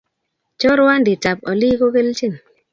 Choruandit ab olik kokelchin